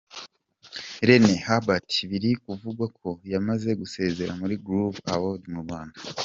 Rene Hubert biri kuvugwa ko yamaze gusezera muri Groove Award Rwanda.